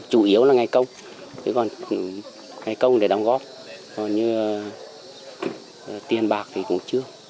chủ yếu là ngày công chứ còn ngày công để đóng góp còn như tiền bạc thì cũng chưa